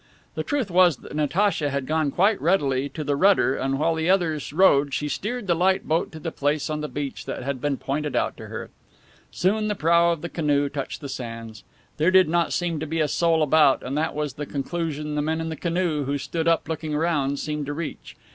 The truth was that Natacha had gone quite readily to the rudder and while the others rowed she steered the light boat to the place on the beach that had been pointed out to her. Soon the prow of the canoe touched the sands. There did not seem to be a soul about, and that was the conclusion the men in the canoe who stood up looking around, seemed to reach.